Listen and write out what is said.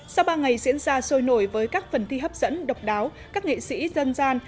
sau ba ngày diễn ra sôi nổi với các phần thi hấp dẫn độc đáo các nghệ sĩ dân gian